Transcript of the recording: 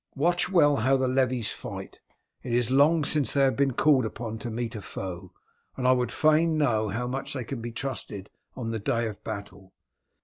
Watch well how the levies fight, it is long since they have been called upon to meet a foe, and I would fain know how much they can be trusted on the day of battle.